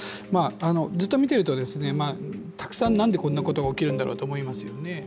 ずっと見ていると、たくさん、なんでこんなことが起きるんだろうと思いますよね。